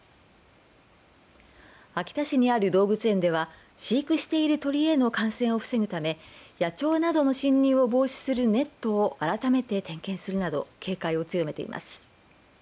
秋田市にある動物園では飼育している鳥への感染を防ぐため野鳥などの侵入を防止するネットを改めて点検するなど警戒を強めています。